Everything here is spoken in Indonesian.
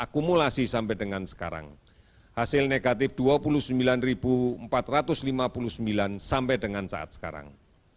akumulasi sampai dengan sekarang hasil negatif dua puluh sembilan empat ratus lima puluh sembilan sampai dengan saat sekarang